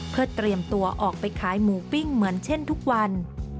เพื่อเตรียมตัวออกไปขายหมูปิ้งเหมือนเช่นทุกวัน